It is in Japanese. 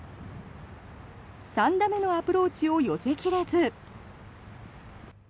３打目のアプローチを寄せ切れず。